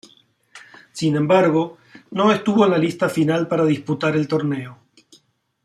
Sin embargo, no estuvo en la lista final para disputar el torneo.